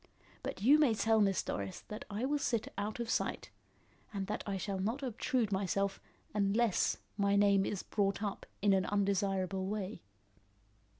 But you may tell Miss Doris that I will sit out of sight, and that I shall not obtrude myself unless my name is brought up in an undesirable way."